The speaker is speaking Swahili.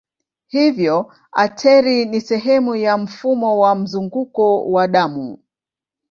Hivyo ateri ni sehemu ya mfumo wa mzunguko wa damu.